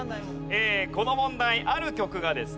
えーこの問題ある曲がですね